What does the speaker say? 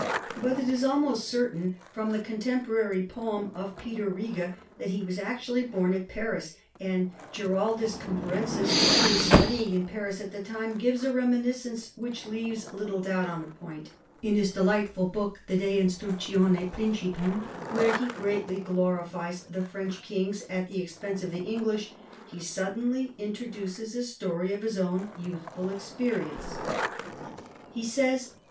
But it is almost certain, from the contemporary poem of Peter Riga, that he was actually born at Paris ; and Giraldus Cambrensis, who was studying in Paris at the time, gives a reminiscence which leaves little doubt on the point. In his delightful book, the De Instructione Principum, where he greatly glorifies the French kings at the expense of the English, he suddenly introduces a story of his own youthful experience. He says :— 16 PHILIP AUGUSTUS chap.